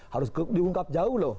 harus diungkap jauh loh